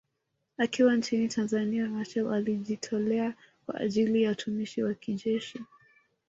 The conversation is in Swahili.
Akiwa nchini Tanzania Machel alijitolea kwa ajili ya utumishi wa kijeshi